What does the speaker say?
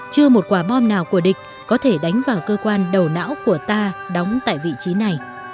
chưa một quả bom nào của địch có thể đánh vào cơ quan đầu não của ta đóng tại vị trí này